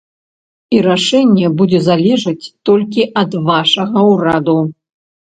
І рашэнне будзе залежыць толькі ад вашага ўраду.